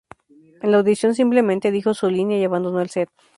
En la audición simplemente dijo su línea y abandonó el set.